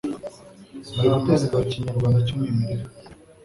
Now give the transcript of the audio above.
muri guteza imbere ikinyarwanda cy'umwimerere.